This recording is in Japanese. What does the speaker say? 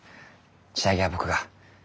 仕上げは僕が。